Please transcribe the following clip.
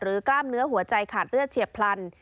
กล้ามเนื้อหัวใจขาดเลือดเฉียบพลัน